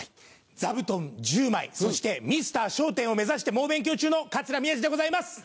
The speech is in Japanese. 座布団１０枚そしてミスター笑点を目指して猛勉強中の桂宮治でございます！